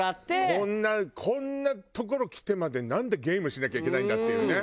こんなこんな所来てまでなんでゲームしなきゃいけないんだっていうね。